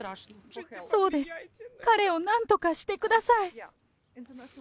そうです、彼をなんとかしてください。